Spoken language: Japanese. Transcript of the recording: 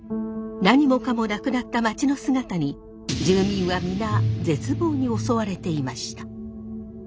何もかもなくなったまちの姿に住民は皆絶望に襲われていました。